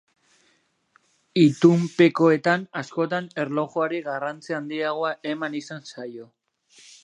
Itunpekoetan askotan erlijioari garrantzi handiagoa eman izan zaio.